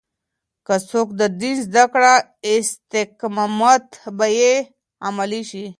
که څوک دين زده کړي، استقامت به يې عملي شي.